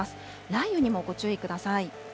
雷雨にもご注意ください。